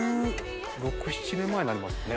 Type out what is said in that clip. １６１７年前になりますね